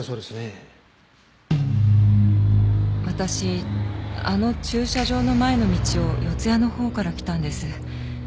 私あの駐車場の前の道を四谷のほうから来たんです。